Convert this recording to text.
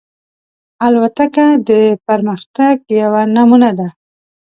الوتکه د پرمختګ یوه نمونه ده.